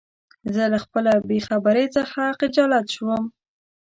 زه له خپله بېخبری څخه خجالت شوم.